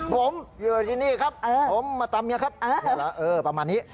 ผมอยู่ที่นี่ครับผมมาตามเมียครับประมาณนี้